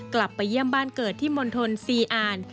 กลับไปเยี่ยมบ้านเกิดที่มณฑลซีอ่าน